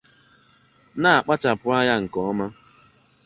na-akpachàpụ anya nke ọma